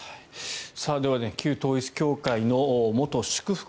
では旧統一教会の元祝福